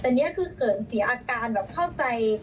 แต่นี่คือเสริมเสียอาการแบบเข้าใจ